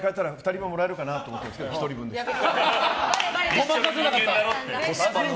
２つにしたら２人分もらえるかなと思ったけど１人分でした。